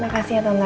makasih ya tante